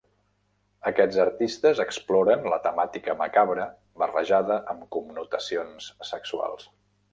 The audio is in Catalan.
Aquests artistes exploren la temàtica macabra barrejada amb connotacions sexuals.